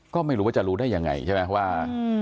ก็ไม่รู้ว่าจะรู้ได้ยังไงใช่ไหมว่า